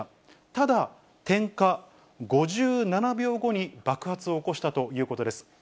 ただ、点火５７秒後に爆発を起こしたということです。